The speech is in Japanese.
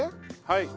はい。